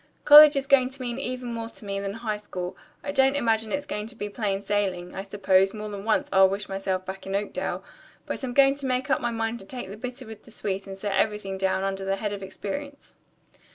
"College is going to mean even more to me than high school. I don't imagine it's all going to be plain sailing. I suppose, more than once, I'll wish myself back in Oakdale, but I'm going to make up my mind to take the bitter with the sweet and set everything down under the head of experience."